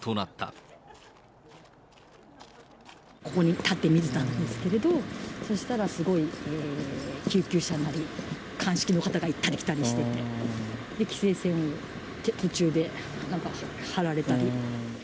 ここに立って見てたんですけれど、そしたらすごい救急車なり、鑑識の方が行ったり来たりしてて、規制線を途中でなんか張られたり。